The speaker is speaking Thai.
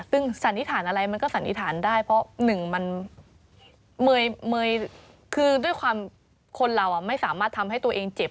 ซึ่งสันนิษฐานอะไรมันก็สันนิษฐานได้เพราะหนึ่งมันคือด้วยความคนเราไม่สามารถทำให้ตัวเองเจ็บ